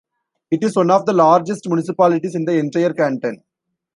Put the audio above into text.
It is one of the largest municipalities in the entire canton.